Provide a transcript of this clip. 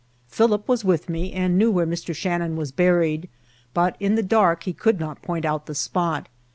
Philip was with me, and knew where Mr. Shannon was buried, but in the dark he could not point out the spot.